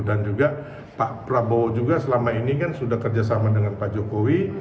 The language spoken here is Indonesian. dan juga pak prabowo juga selama ini kan sudah kerjasama dengan pak jokowi